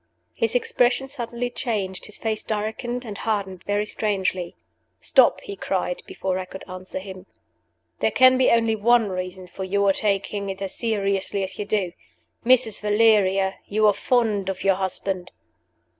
His expression suddenly changed his face darkened and hardened very strangely. "Stop!" he cried, before I could answer him. "There can be only one reason for you're taking it as seriously as you do. Mrs. Valeria! you are fond of your husband."